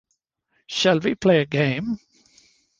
Shall we play a game?